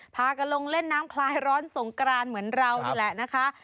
พากันลงเล่นน้ำคลายร้อนสงกรานเหมือนเรานี่แหละนะคะ